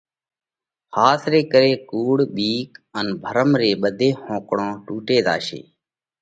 ۿاس ري ڪري ڪُوڙ، ٻِيڪ ان ڀرم ري ٻڌي ۿونڪۯون ٽُوٽي زاشي۔